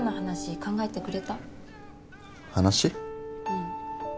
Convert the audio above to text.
うん。